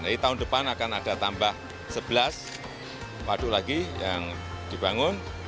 jadi tahun depan akan ada tambah sebelas waduk lagi yang dibangun